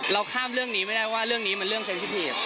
เราข้ามเรื่องนี้ไม่ได้ว่าเรื่องนี้มันเรื่องสังสัย